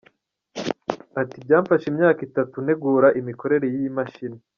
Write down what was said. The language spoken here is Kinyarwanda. Ati “Byamfashe imyaka itatu ntegura imikorere y’iyi mashini.